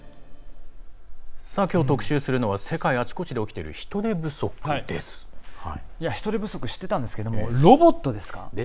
きょう、特集するのは世界あちこちで起きている人手不足知ってたんですけどロボットですか。